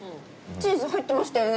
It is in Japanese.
チーズ入ってましたよね！